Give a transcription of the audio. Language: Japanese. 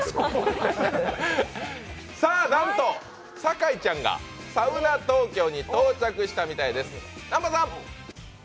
なんと酒井ちゃんがサウナ東京に到着したみたいです！